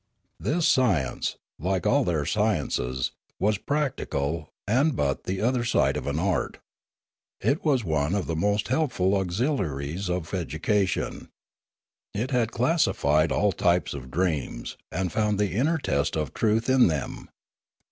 This science, like all their sciences, was practical and but the other side of an art; it was one of the most helpful auxiliaries of education. It had classified all types of dreams, and found the inner test of truth in them.